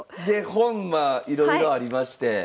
で本はいろいろありまして。